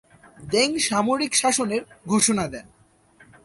Deng সামরিক শাসনের ঘোষণা দেন।